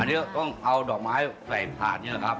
อันนี้ต้องเอาดอกไม้ใส่ผ่านเนี่ยครับ